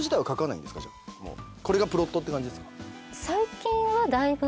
これがプロットって感じですか？